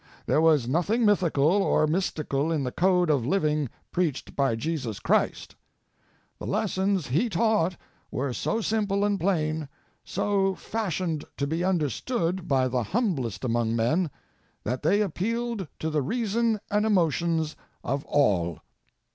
There was nothing mythical or mys tical in the code of living preached by Jesus Christ. The lessons He taught were so simple and plain, so fashioned to be understood by the humblest among men, that they appealed to the reason and emotions of all.